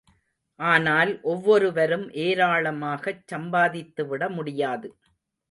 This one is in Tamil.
ஆனால் ஒவ்வொருவரும் ஏராளமாகச் சம்பாதித்துவிட முடியாது.